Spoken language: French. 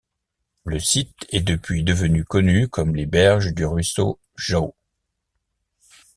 Le site est depuis devenu connu comme les berges du ruisseau Jaú.